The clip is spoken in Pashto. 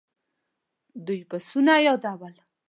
دوی پسونه يادول.